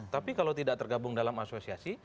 tapi kalau tidak tergabung dalam asosiasi